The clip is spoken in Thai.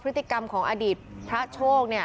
พฤติกรรมของอดีตพระโชค